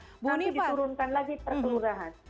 nanti disurunkan lagi perkembangan